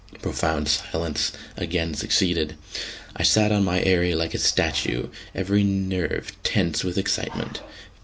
Profound silence again succeeded; I sat on my eyrie like a statue, every nerve tense with excitement.